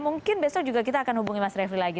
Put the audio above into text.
mungkin besok juga kita akan hubungi mas refli lagi